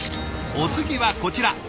お次はこちら。